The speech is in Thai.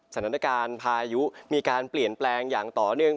สถานการณ์พายุมีการเปลี่ยนแปลงอย่างต่อเนื่อง